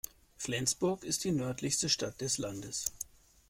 Flensburg ist die nördlichste Stadt des Landes.